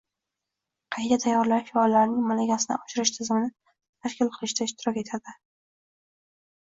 qayta tayyorlash va ularning malakasini oshirish tizimini tashkil qilishda ishtirok etadi;